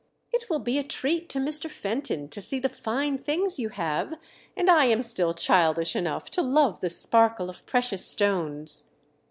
"It will be a treat to Mr. Fenton to see the fine things you have, and I am still childish enough to love the sparkle of precious stones."